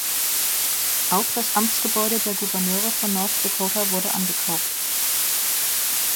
Auch das Amtsgebäude der Gouverneure von North Dakota wurde angekauft.